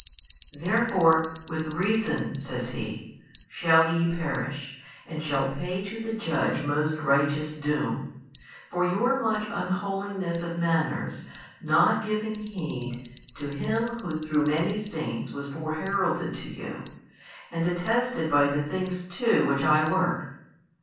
Therefore with reason (says He) shall ye perish and shall pay to the Judge most righteous Doom, for your much unholiness of manners not giving heed to Him Who through many saints was fore heralded to you, and attested by the things too which I work.